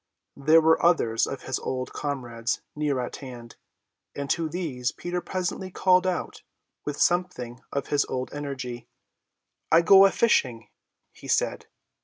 There were others of his old comrades near at hand, and to these Peter presently called out with something of his old energy: "I go a fishing," he said.